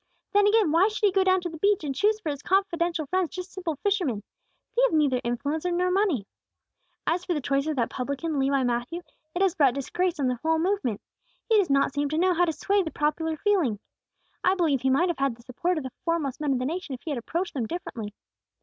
"Then, again, why should He go down to the beach, and choose for His confidential friends just simple fishermen. They have neither influence nor money. As for the choice of that publican Levi Matthew, it has brought disgrace on the whole movement. He does not seem to know how to sway the popular feeling. I believe He might have had the support of the foremost men of the nation, if He had approached them differently.